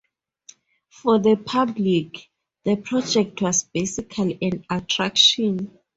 For the public, the project was basically an attraction.